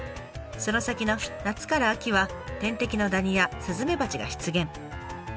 その先の夏から秋は天敵のダニやスズメバチが出現。